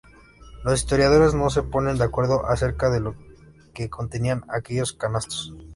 Los historiadores no se ponen de acuerdo acerca de lo que contenían aquellos canastos.